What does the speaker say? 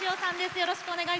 よろしくお願いします。